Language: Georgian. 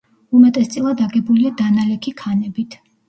უმეტესწილად აგებულია დანალექი ქანებით.